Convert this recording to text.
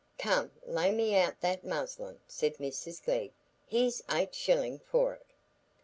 "Come, lay me out that muslin," said Mrs Glegg. "Here's eight shilling for it."